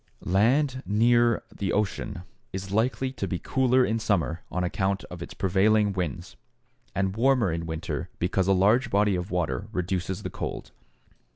Land near the ocean is likely to be cooler in summer on account of its prevailing winds, and warmer in winter because a large body of water reduces the cold.